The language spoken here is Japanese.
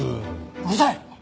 うるさい！